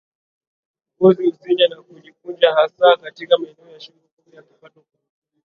Ngozi husinyaa na kujikunja hasa katika maeneo ya shingo ngombe akipata ukurutu